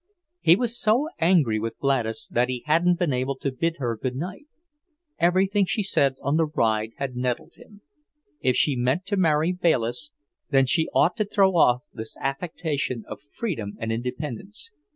He was so angry with Gladys that he hadn't been able to bid her good night. Everything she said on the ride had nettled him. If she meant to marry Bayliss, then she ought to throw off this affectation of freedom and independence.